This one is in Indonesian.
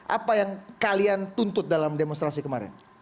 apa yang kalian tuntut dalam demonstrasi kemarin